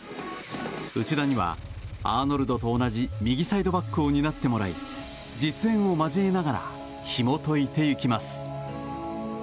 内田には、アーノルドと同じ右サイドバックを担ってもらい実演を交えながらひも解いていきます。